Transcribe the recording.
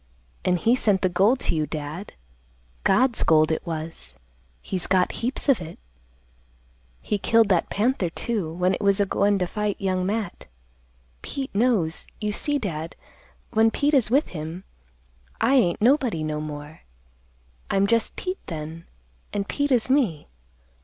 An' he sent the gold to you, Dad; God's gold it was; he's got heaps of it. He killed that panther, too, when it was a goin' to fight Young Matt. Pete knows. You see, Dad, when Pete is with him, I ain't nobody no more. I'm just Pete then, an' Pete is me.